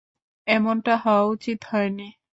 এমনটা হওয়া উচিত হয়নি।